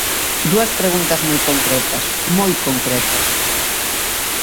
Dúas preguntas moi concretas, moi concretas.